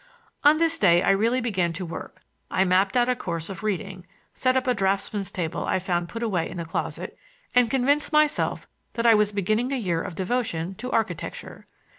On this day I really began to work. I mapped out a course of reading, set up a draftsman's table I found put away in a closet, and convinced myself that I was beginning a year of devotion to architecture.